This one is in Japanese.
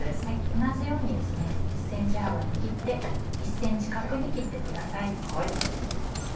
同じようにですね１ｃｍ幅に切って１ｃｍ角に切ってください。